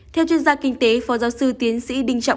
theo chuyên gia kinh tế phó giáo sư tiến sĩ đinh trọng